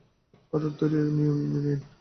কাদের তৈরি নিয়ম এরিন?